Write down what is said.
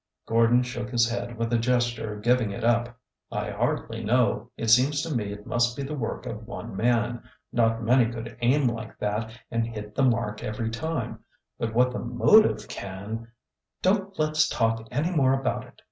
Gordon shook his head with a gesture of giving it up. " I hardly know. It seems to me it must be the work of one man— not many could aim like that and hit the mark every time — but what the motive can —"" Don't let 's talk any more about it